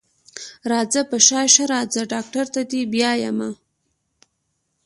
راځه په شا شه راځه ډاکټر ته دې بيايمه.